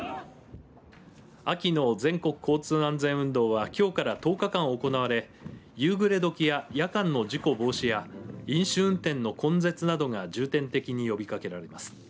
秋の全国交通安全運動はきょうから１０日間行われ夕暮れ時や夜間の事故防止や飲酒運転の根絶などが重点的に呼びかけられます。